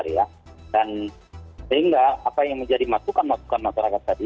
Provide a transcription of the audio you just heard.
sehingga apa yang menjadi masukan masukan masyarakat tadi